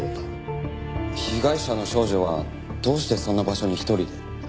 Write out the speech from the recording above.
被害者の少女はどうしてそんな場所に１人で？